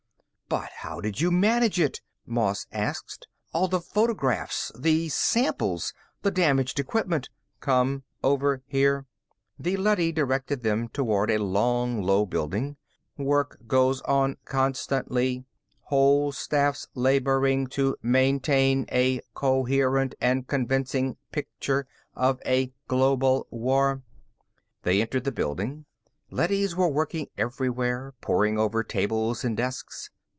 "But how did you manage it?" Moss asked. "All the photographs, the samples, the damaged equipment " "Come over here." The leady directed them toward a long, low building. "Work goes on constantly, whole staffs laboring to maintain a coherent and convincing picture of a global war." They entered the building. Leadys were working everywhere, poring over tables and desks.